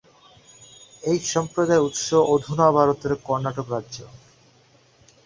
এই সম্প্রদায়ের উৎস অধুনা ভারতের কর্ণাটক রাজ্য।